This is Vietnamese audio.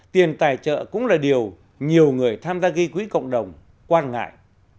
tiền tài trợ cũng là điều nhiều người tham gia gây quỹ cộng đồng quan ngại